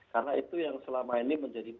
karena itu yang selama ini menjadi